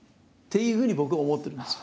いうふうに僕は思ってるんですよ。